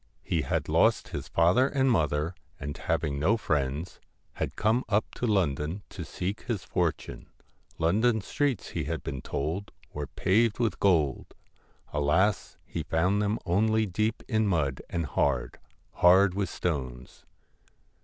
He had lost his father and mother, and, having no friends, had come up to London to seek his fortune. London streets, he had been told, were paved with gold. Alas ! he found them only deep in mud, and hard hard with stones.